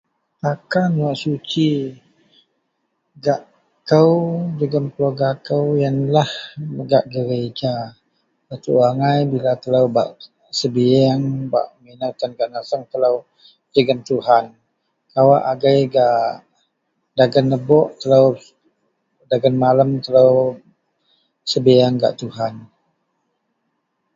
takan wak suci gak kou jegum keluarga kou ienlah gak gereja, a tuu agai bila telou bak sebieng bak minou tan gak nasang telou jegum Tuhan kawak agei gak dagen lebok telou dagen malam telou sebieng gak Tuhan